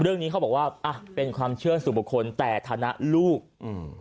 เรื่องนี้เขาบอกว่าอ่ะเป็นความเชื่อสู่บุคคลแต่ฐานะลูกอืม